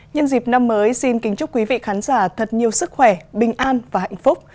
nhân dịp năm mới xin kính chúc quý vị khán giả thật nhiều sức khỏe bình an và hạnh phúc